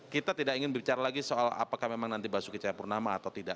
kita tidak ingin bicara lagi soal apakah memang nanti basuki cahayapurnama atau tidak